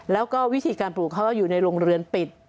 แล้วก็วิธีการปลูกเขาก็อยู่ในโรงเรือนปิด